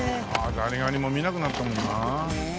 ザリガニも見なくなったもんな。